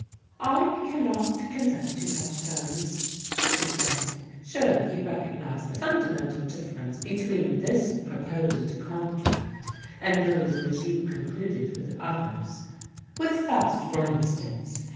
"I cannot consent to such terms," she said. "Surely you recognise the fundamental difference between this proposed contract and those which you concluded with others with Faust, for instance?